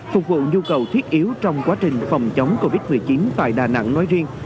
phục vụ nhu cầu thiết yếu trong quá trình phòng chống covid một mươi chín tại đà nẵng nói riêng